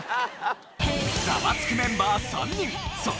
『ザワつく！』メンバー３人そして。